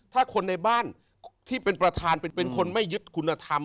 ถ้าคนในบ้านที่เป็นประธานเป็นคนไม่ยึดคุณธรรม